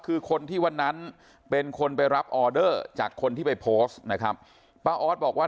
คือคนที่วันนั้นเป็นคนไปรับออเดอร์จากคนที่ไปโพสต์นะครับป้าออสบอกว่า